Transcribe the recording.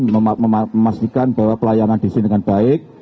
memastikan bahwa pelayanan di sini dengan baik